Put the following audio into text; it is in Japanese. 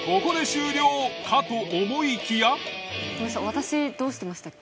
私どうしてましたっけ？